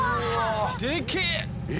でけえ！